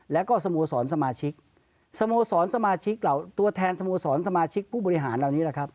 แล้วก็สโมสรสมาชิกตัวแทนสโมสรสมาชิกผู้บริหารเหล่านี้